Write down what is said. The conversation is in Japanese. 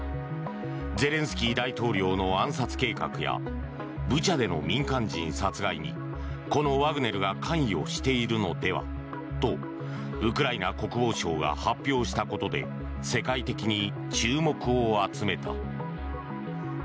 ゼレンスキー大統領の暗殺計画やブチャでの民間人殺害にこのワグネルが関与しているのではとウクライナ国防省が発表したことで世界的に注目を集めた。